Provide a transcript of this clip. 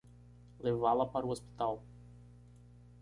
Levá-la para o hospital.